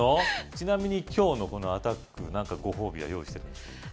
ちなみに今日のこのアタック何かご褒美は用意してるんですか？